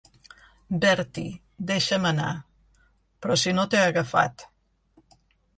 "Bertie, deixa'm anar!" "Però si no t'he agafat."